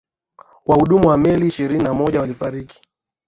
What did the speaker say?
wahudumu wa meli ishilini na moja walifariki